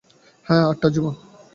হ্যাঁ, আটটা জীবন।